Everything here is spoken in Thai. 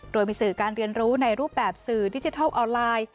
โดยมีสื่อการเรียนรู้ในรูปแบบสื่อดิจิทัลออนไลน์